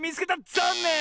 ざんねん！